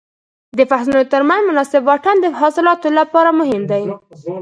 د فصلونو تر منځ مناسب واټن د حاصلاتو لپاره مهم دی.